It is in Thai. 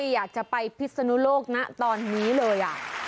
อยากจะไปพิศนุโลกนะตอนนี้เลย